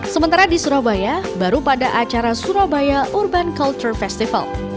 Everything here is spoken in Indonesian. sementara di surabaya baru pada acara surabaya urban culture festival